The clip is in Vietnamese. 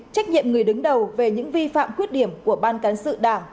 trách nhiệm người đứng đầu về những vi phạm khuyết điểm của ban cán sự đảng